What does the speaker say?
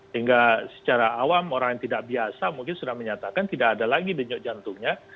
sehingga secara awam orang yang tidak biasa mungkin sudah menyatakan tidak ada lagi denyut jantungnya